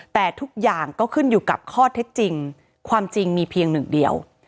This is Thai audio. แต่ทุกอย่างก็ขึ้นอยู่กับข้อเท็จจริงความจริงมีเพียงหนึ่งเดียว